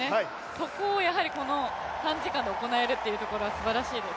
そこをやはり、この短時間で行えるというところはすごいです。